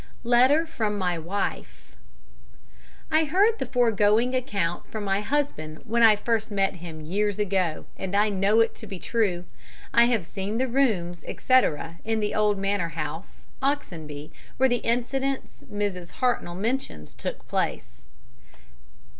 LETTER FROM MY WIFE I heard the foregoing account from my husband when first I met him years ago, and I know it to be true. I have seen the rooms, etc. in the Old Manor House, Oxenby, where the incidents Mrs. Hartnoll mentions took place.